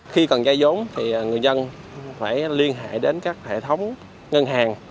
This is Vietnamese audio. khi cần dây giống thì người dân phải liên hệ đến các hệ thống ngân hàng